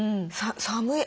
「寒い！